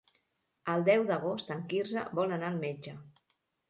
El deu d'agost en Quirze vol anar al metge.